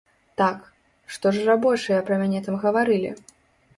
Так, што ж рабочыя пра мяне там гаварылі?